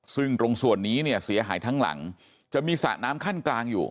ซึ่งตรงส่วนนี้เนี่ยเสียหายทั้งหลังจะมีสระน้ำขั้นกลางอยู่